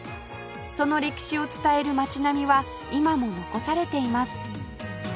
その歴史を伝える街並みは今も残されています